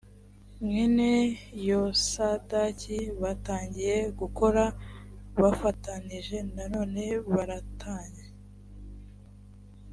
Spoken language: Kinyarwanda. mwene yosadaki batangiye gukora bafatanije none baratanye